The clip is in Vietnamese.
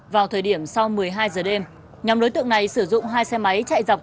vào thời điểm sau một mươi hai h đêm nhóm đối tượng này sử dụng hai xe máy chạy dọc tuyến đê vắng